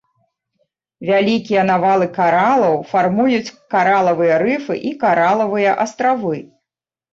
Вялікія навалы каралаў фармуюць каралавыя рыфы і каралавыя астравы.